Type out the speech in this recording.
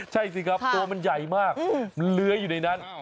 ใช่สิครับตัวมันใหญ่มากมันเลื้อยอยู่ในนั้น